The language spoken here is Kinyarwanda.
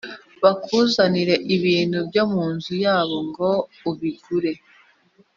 bakuzanira ibintu byo mu nzu yabo ngo ubigure